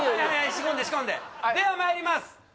仕込んで仕込んでではまいります